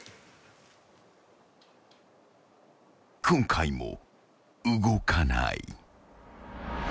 ［今回も動かない］